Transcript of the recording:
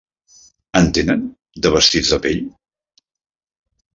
En tenen, de vestits de pell?